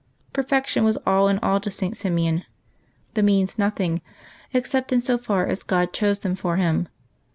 Perfection was all in all to St. Simeon; the means nothing, except in so far as God chose them for him.